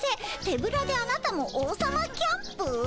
手ぶらであなたも王様キャンプ」？